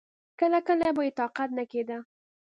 کله کله به يې طاقت نه کېده.